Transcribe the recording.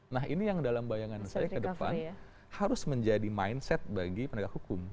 nah ini yang dalam bayangan saya ke depan harus menjadi mindset bagi penegak hukum